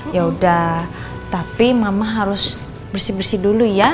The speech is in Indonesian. yaudah tapi mama harus bersih bersih dulu ya